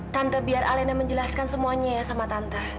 tante biar alena menjelaskan semuanya ya sama tante